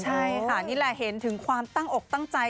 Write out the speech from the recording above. ใช่ค่ะนี่แหละเห็นถึงความตั้งอกตั้งใจ